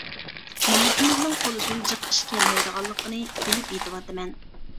مىللىتىمىزنىڭ قولىدىن جىق ئىش كەلمەيدىغانلىقىنى بىلىپ يىتىۋاتىمەن.